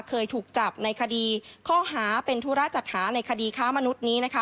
เคยถูกจับในคดีข้อหาเป็นธุระจัดหาในคดีค้ามนุษย์นี้นะคะ